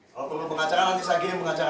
kalau perlu pengacara nanti saya gini pengacara